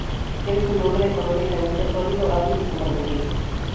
El es un hombre económicamente sólido, hábil y comprometido.